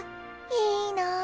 いいな。